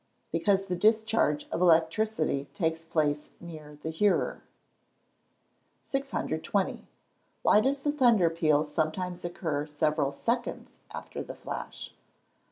_ Because the discharge of electricity takes place near the hearer. 620. _Why does the thunder peal sometimes occur several seconds after the flash?